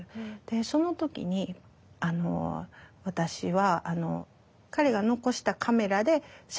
その時に私は彼が残したカメラで写真を撮り始めたって。